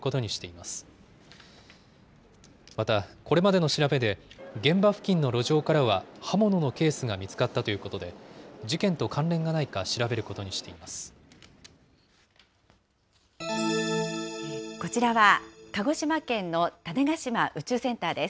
また、これまでの調べで現場付近の路上からは刃物のケースが見つかったということで、事件と関連がないか調べることにしています。